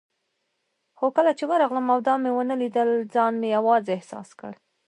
خو کله چې ورغلم او دا مې ونه لیدل، ځان مې یوازې احساس کړ.